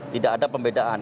tidak ada pembedaan